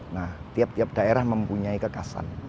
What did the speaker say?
nah tiap tiap daerah mempunyai kekasan